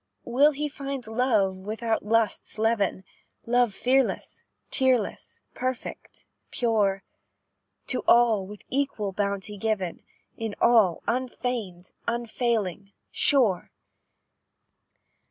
"Will he find love without lust's leaven, Love fearless, tearless, perfect, pure, To all with equal bounty given; In all, unfeigned, unfailing, sure?